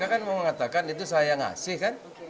pak jk kan mau mengatakan itu saya ngasih kan